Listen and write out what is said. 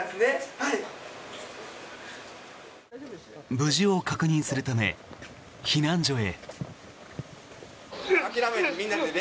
無事を確認するため避難所へ。